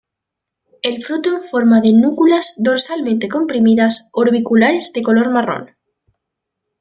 El fruto en forma de núculas dorsalmente comprimidas, orbiculares de color marrón.